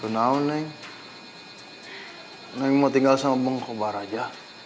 aku tau neng neng mau tinggal sama bengkobar aja